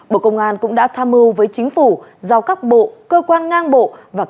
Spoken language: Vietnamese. bộ công an cũng đã tham mưu với chính phủ giao các bộ cơ quan ngang bộ và cơ quan ngang bộ